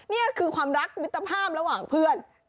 นี่คือความรักมิตรภาพระหว่างเพื่อน